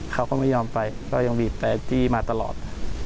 เขาก็ไม่ยอมไปก็ยังบีบแต่จี้มาตลอด